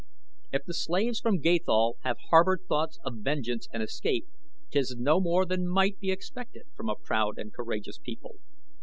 If the slaves from Gathol have harbored thoughts of vengeance and escape 'tis no more than might be expected from a proud and courageous people.